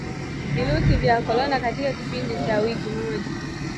virusi vya Corona katika kipindi cha wiki moja